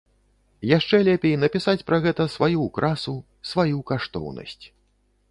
Яшчэ лепей напісаць пра гэтую сваю ўкрасу, сваю каштоўнасць.